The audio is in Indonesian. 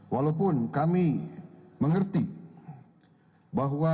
walaupun kami mengerti bahwa